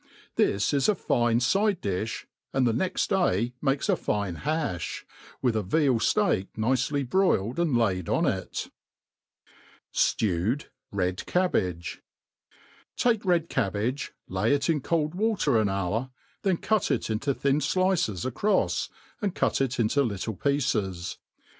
This is a fine (ide difh, and the next day makes a fine hafli, with a veal*fteak nicely broil* ed and laid on it. ' Sfnved fieJ Cabhage. , TAKE a red cabbage, lay it in cold water an hour, then cut it into thin ilices ack ofs, and cut it into little pieces.